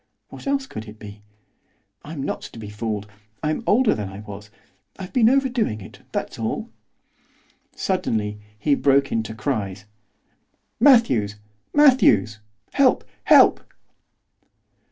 What else could it be? I'm not to be fooled. I'm older than I was. I've been overdoing it, that's all.' Suddenly he broke into cries. 'Matthews! Matthews! Help! help!